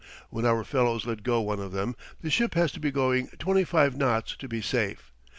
When our fellows let go one of them, the ship has to be going 25 knots to be safe.